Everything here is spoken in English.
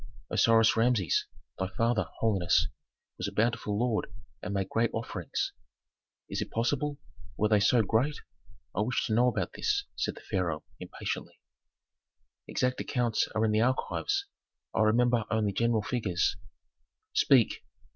"Osiris Rameses, thy father, holiness, was a bountiful lord and made great offerings." "Is it possible? Were they so great? I wish to know about this," said the pharaoh, impatiently. "Exact accounts are in the archives; I remember only general figures." "Speak!"